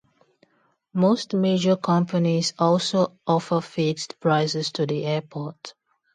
Most major companies also offer fixed prices to the airport.